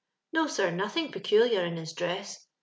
No, sir, nothing peeuhar in his dress.